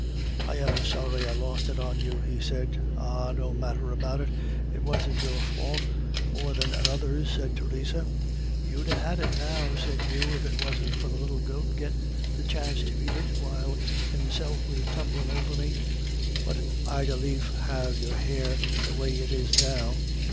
"I am sorry I lost it on you," he said. "Ah, no matter about it; and it wasn't your fau't more than another's," said Theresa. "You'd ha' had it now," said Hugh, "if it wasn't for the little goat gettin' the chance to ait it while himself was tumblin' over me. But I'd as lief have your hair the way it is now.